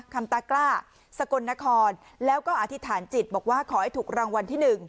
คำตากล้าสกลนครแล้วก็อธิษฐานจิตบอกว่าขอให้ถูกรางวัลที่๑